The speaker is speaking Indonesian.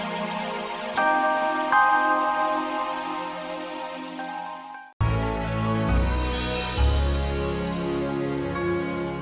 nggak ada ada ada ada ada ada ada